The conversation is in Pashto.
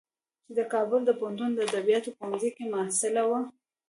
چې د کابل پوهنتون د ادبیاتو پوهنځی کې محصله وه.